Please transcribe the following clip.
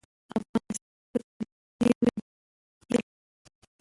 افغانستان په طبیعي زیرمې باندې تکیه لري.